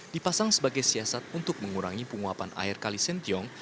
dipasang sebagai siasat untuk mengurangi penguapan air kalisentiong